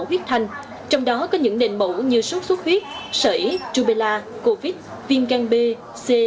huyết thanh trong đó có những nền mẫu như sốt xuất huyết sởi rubella covid viêm gan b c